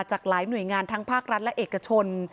จากหลายหน่วยงานทั้งภาครัฐและเอกชน